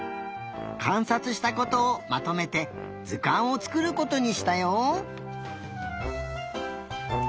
かんさつしたことをまとめてずかんをつくることにしたよ！